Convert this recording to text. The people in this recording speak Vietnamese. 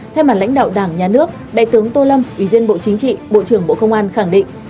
thay mặt lãnh đạo đảng nhà nước đại tướng tô lâm ủy viên bộ chính trị bộ trưởng bộ công an khẳng định